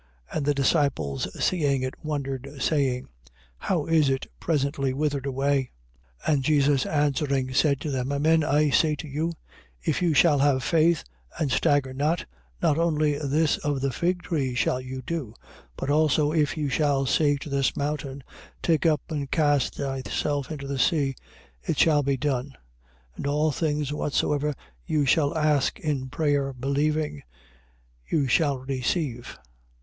21:20. And the disciples seeing it wondered, saying: How is it presently withered away? 21:21. And Jesus answering, said to them: Amen, I say to you, if you shall have faith and stagger not, not only this of the fig tree shall you do, but also if you shall say to this mountain, Take up and cast thyself into the sea, it shall be done. 21:22. And all things whatsoever you shall ask in prayer believing, you shall receive.